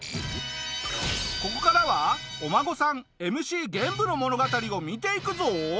ここからはお孫さんＭＣ玄武の物語を見ていくぞ！